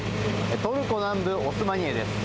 トルコ南部オスマニエです。